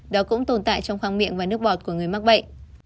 đó cũng tồn tại trong khoang miệng và nước bọt của người mắc bệnh